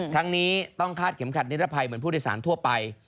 ทั้งนี้ต้องคาดเข็มขัดนิรภัยเหมือนผู้โดยสารทั่วไป